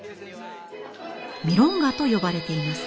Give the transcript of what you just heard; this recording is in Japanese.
ミロンガと呼ばれています。